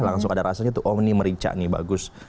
langsung ada rasanya tuh oh ini merica nih bagus